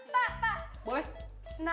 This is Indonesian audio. jadi saya harus mencoba